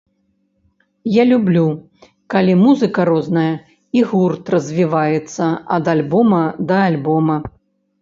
Я люблю, калі музыка розная і гурт развіваецца ад альбома да альбома.